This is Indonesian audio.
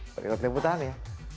berikut lembutan ya